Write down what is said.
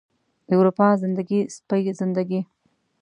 د اروپا زندګي، سپۍ زندګي